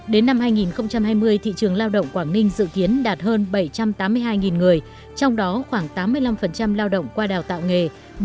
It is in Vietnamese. đến năm hai nghìn hai mươi thị trường lao động quảng ninh dự kiến đạt hơn bảy trăm tám mươi hai người trong đó khoảng tám mươi năm lao động qua đào tạo nghề